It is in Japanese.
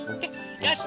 よし！